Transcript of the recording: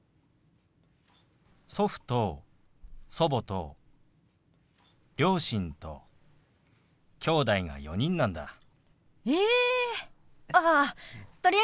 祖父と祖母と両親ときょうだいが４人なんだ。え！